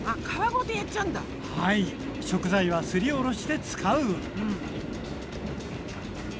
食材はすりおろして使う！